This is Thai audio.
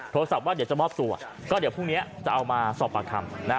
โทรศัพท์ว่าเดี๋ยวจะมอบตัวก็เดี๋ยวพรุ่งนี้จะเอามาสอบปากคำนะ